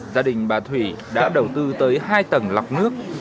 gia đình bà thủy đã đầu tư tới hai tầng lọc nước